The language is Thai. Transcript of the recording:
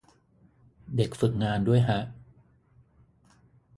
เด็กฝึกงานด้วยฮะ